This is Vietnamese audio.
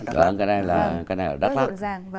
cái này ở đắk lắk